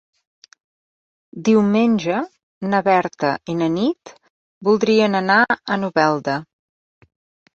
Diumenge na Berta i na Nit voldrien anar a Novelda.